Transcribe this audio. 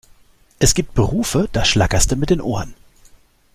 Es gibt Berufe, da schlackerste mit den Ohren!